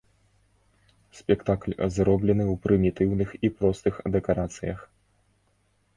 Спектакль зроблены ў прымітыўных і простых дэкарацыях.